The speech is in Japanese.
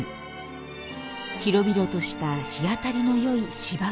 広々とした日当たりのよい芝生の広場。